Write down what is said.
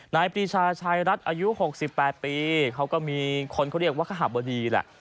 นายปรีชาชายรัฐอายุ๖๘ปีเขาก็มีคนเขาเรียกว่าคหบดีแหละ